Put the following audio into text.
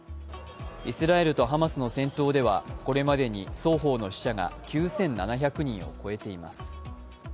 イスラエルとハマスの戦闘ではこれまでに双方の死者が９７００人を超えています。